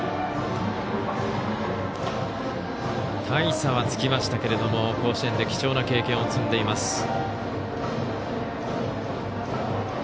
大差はつきましたけども甲子園で貴重な経験を積んでいます。